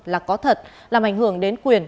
là có thật làm ảnh hưởng đến quyền